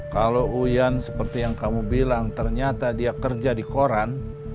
kalau uyan seperti yang kamu bilang ternyata dia kerja di koran